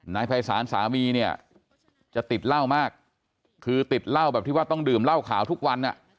นายภัยศาลสามีเนี่ยจะติดเหล้ามากคือติดเหล้าแบบที่ว่าต้องดื่มเหล้าขาวทุกวันอ่ะ